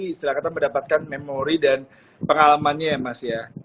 istilah kata mendapatkan memori dan pengalamannya ya mas ya